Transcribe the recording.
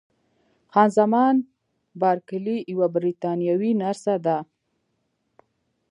خان زمان بارکلي یوه بریتانوۍ نرسه ده.